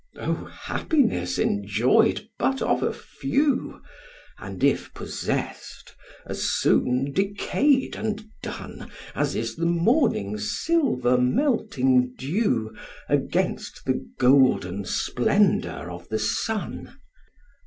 O happiness enjoy'd but of a few! And, if possess'd, as soon decay'd and done As is the morning's silver melting dew Against the golden splendour of the sun!